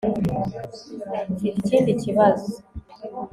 ufite ikindi kibazo